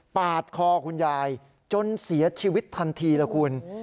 ปาดคอคุณยายจนเสียชีวิตทันทีละคุณ